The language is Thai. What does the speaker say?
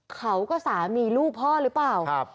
เขาก็สามีลูกพ่อหรือเปล่า